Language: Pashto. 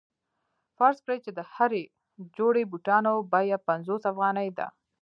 فرض کړئ چې د هرې جوړې بوټانو بیه پنځوس افغانۍ ده